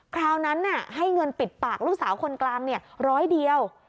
คราวนั้นน่ะให้เงินปิดปากลูกสาวคนกลางเนี่ย๑๐๐เดียว